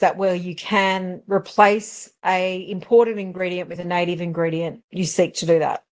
tapi kita sangat berpikir bahwa kita bisa memperbaiki bahan bahan yang penting dengan bahan bahan asli yang kita inginkan